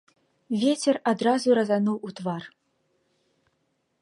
Вецер адразу разануў у твар.